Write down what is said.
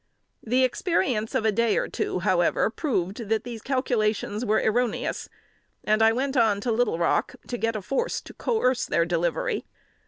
The experience of a day or two however proved that these calculations were erroneous, and I went on to Little Rock, to get a force to coerce their delivery.